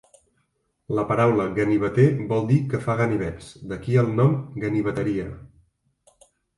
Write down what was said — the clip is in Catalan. La paraula ganiveter vol dir "que fa ganivets", d'aquí el nom ganiveteria.